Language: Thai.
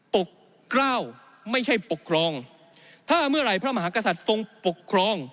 ปกกล้าวไม่ใช่ปกครอง